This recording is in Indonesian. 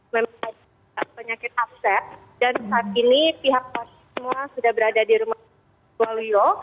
memang sakit penyakit absen dan saat ini pihak semua sudah berada di rumah sakit abdiwaluyo